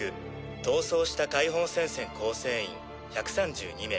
逃走した解放戦線構成員１３２名。